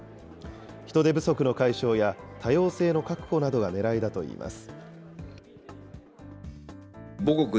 人手不足の解消や、多様性の確保などがねらいだといいます。